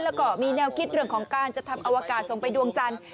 แล้วก็มีแนวคิดเรื่องของการจะทำอวกาศส่งไปดวงจันทร์